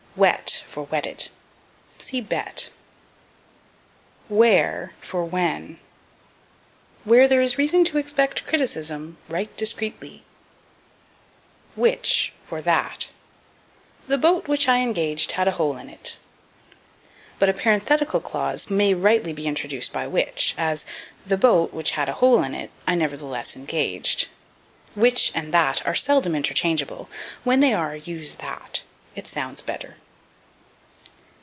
Wet for Wetted. See Bet. Where for When. "Where there is reason to expect criticism write discreetly." Which for That. "The boat which I engaged had a hole in it." But a parenthetical clause may rightly be introduced by which; as, The boat, which had a hole in it, I nevertheless engaged. Which and that are seldom interchangeable; when they are, use that. It sounds better.